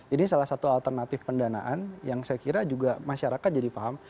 jadi salah satu alternatif pendanaan yang saya kira juga masyarakat jadi paham